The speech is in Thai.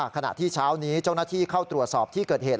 ขณะที่เช้านี้เจ้าหน้าที่เข้าตรวจสอบที่เกิดเหตุ